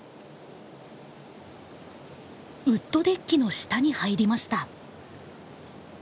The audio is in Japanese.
ウッドデッキの下に入りました。